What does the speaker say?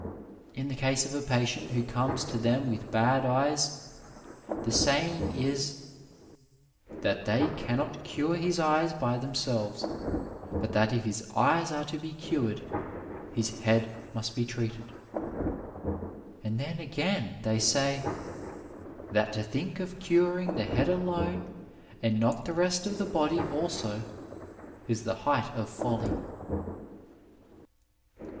In the case of a patient who comes to them with bad eyes the sajdng is " that they cannot cure his eyes by them selves, but that if his eyes are to be cured his head must be treated ": and then again they say *' that to think of curing the head alone and not the rest of the body also is the height of folly."